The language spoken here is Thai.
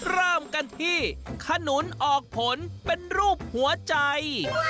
เริ่มกันที่ขนุนออกผลเป็นรูปหัวใจ